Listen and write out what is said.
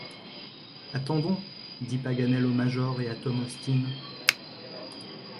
Attendons, dit Paganel au major et à Tom Austin.